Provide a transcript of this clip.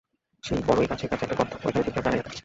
সেই বড়ই গাছের কাছে একটা গর্ত, ঐখানে চুপচাপ দাঁড়ায়ে থাকে।